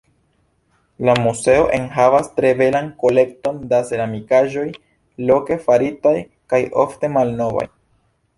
La muzeo enhavas tre belan kolekton da ceramikaĵoj, loke faritaj kaj ofte malnovaj.